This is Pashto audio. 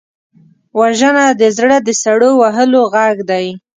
وژنه د زړه د سړو وهلو غږ دی